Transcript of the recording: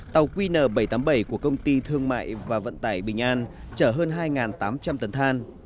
tàu qn bảy trăm tám mươi bảy của công ty thương mại và vận tải bình an chở hơn hai tám trăm linh tấn than